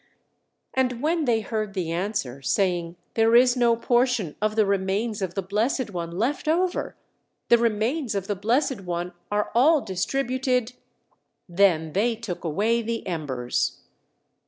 And when they heard the answer, saying, "There is no portion of the remains of the Blessed One left over. The remains of the Blessed One are all distributed," then they took away the embers.